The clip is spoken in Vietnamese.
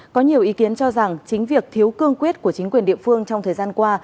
có nhiều ý kiến cho rằng chính việc thiếu cương quyết của chính quyền địa phương trong thời gian qua